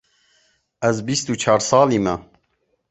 Ez bîst û çar salî me.